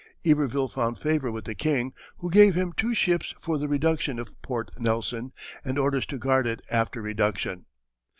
Iberville found favor with the king, who gave him two ships for the reduction of Port Nelson, and orders to guard it after reduction.